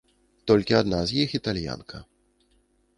Толькі адна з іх італьянка.